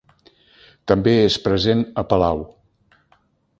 També és present a Palau.